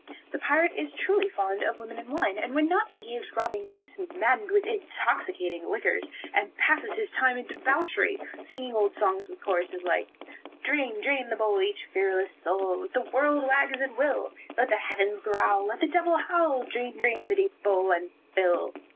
The pirate is truly fond of women and wine, and when not engaged in robbing, keeps maddened with intoxicating liquors, and passes his time in debauchery, singing old songs with chorusses like "Drain, drain the bowl, each fearless soul, Let the world wag as it will: Let the heavens growl, let the devil howl, Drain, drain the deep bowl and fill."